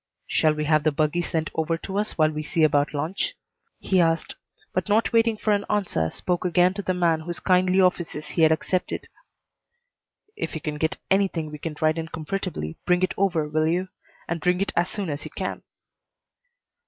"Shall we have the buggy sent over to us while we see about lunch?" he asked, but not waiting for an answer spoke again to the man whose kindly offices he had accepted. "If you can get anything we can ride in comfortably, bring it over, will you? And bring it as soon as you can."